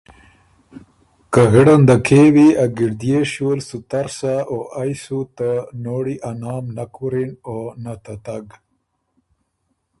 که غِړنده کېوی ا ګړديې شیو ل سُو تر سۀ او ائ سُو نۀ ته نوړی ا نام وُرِّن او نۀ ته تګ۔